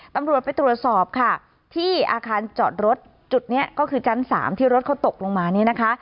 ตำรวจไปตรวจสอบค่ะที่อาคารจอดรถจุดนี้ก็คือชั้น๓ที่รถเขาตกลงมาเนี่ยนะคะ